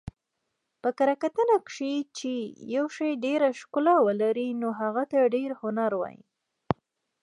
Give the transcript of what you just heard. په کره کتنه کښي، چي یوشي ډېره ښکله ولري نو هغه ته ډېر هنري وايي.